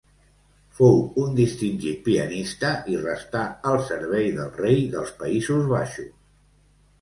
Fou un distingit pianista i restà al servei del rei dels Països Baixos.